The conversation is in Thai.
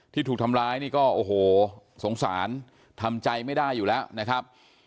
ที่ถูกทำร้ายนี่ก็โอ้โหสงสารทำใจไม่ได้อยู่แล้วนะครับ